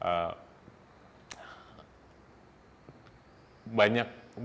selamat pagi juga um